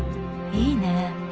いいね。